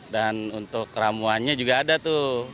dan untuk keramuannya juga ada tuh